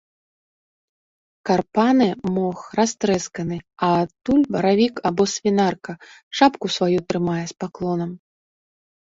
Карпане мох растрэсканы, а адтуль баравік або свінарка шапку сваю трымае з паклонам.